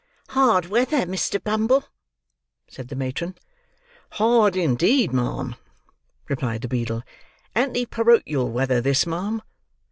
"Hard weather, Mr. Bumble," said the matron. "Hard, indeed, ma'am," replied the beadle. "Anti porochial weather this, ma'am.